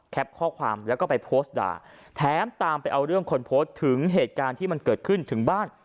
ข้อความแล้วก็ไปโพสต์ด่าแถมตามไปเอาเรื่องคนโพสต์ถึงเหตุการณ์ที่มันเกิดขึ้นถึงบ้าน